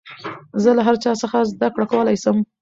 زه له هر چا څخه زدکړه کولاى سم.